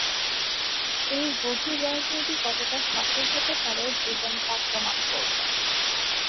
এই গভীর রাজনীতি কতটা সফল হতে পারে, ব্রিটেন তা প্রমাণ করল।